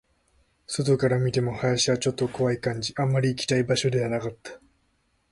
外から見ても、林はちょっと怖い感じ、あまり行きたい場所ではなかった